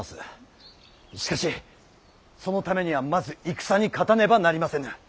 しかしそのためにはまず戦に勝たねばなりませぬ。